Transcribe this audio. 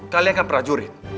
kalian kan prajurit